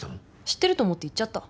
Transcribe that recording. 知ってると思って言っちゃった。